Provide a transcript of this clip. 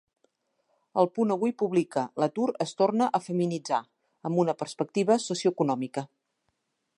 El Punt Avui publica "L'atur es torna a feminitzar", amb una perspectiva socioeconòmica.